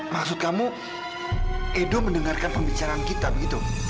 maksud kamu edo mendengarkan pembicaraan kita begitu